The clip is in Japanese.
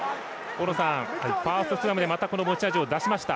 ファーストスクラムでまた、持ち味を出しました。